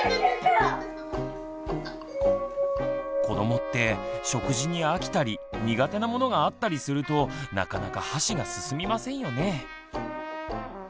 子どもって食事に飽きたり苦手なものがあったりするとなかなか箸が進みませんよね。